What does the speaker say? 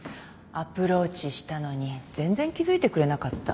アプローチしたのに全然気付いてくれなかった。